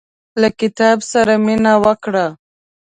له کتاب سره مينه وکړه.